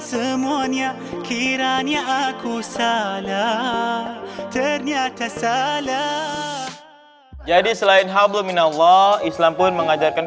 semuanya kiranya aku salah ternyata salah jadi selain hablum minallah islam pun mengajarkan